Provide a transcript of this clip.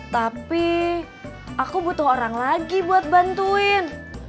tapi aku butuh orang lagi buat bantuin